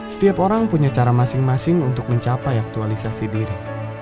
setiap orang punya cara masing masing untuk mencapai aktualisasi diri